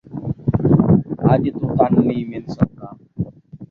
اڄ کوں کل نئیں مل سڳدا